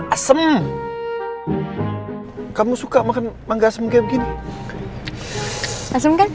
asem kamu suka makan mangga semuanya begini